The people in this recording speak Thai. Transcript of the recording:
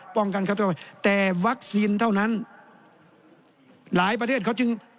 ป้องกันเขาต้องไปแต่วัคซีนเท่านั้นหลายประเทศเขาจึง